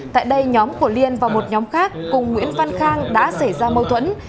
tại đây nhóm của liên và một nhóm khác cùng nguyễn văn khang đã xảy ra mâu thuẫn